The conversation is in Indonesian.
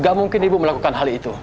gak mungkin ibu melakukan hal itu